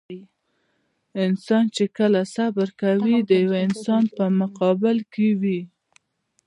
انسان چې کله صبر کوي د يوه انسان په مقابل کې وي.